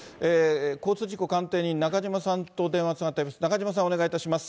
交通事故鑑定人、なかじまさんと電話がつながっているようです。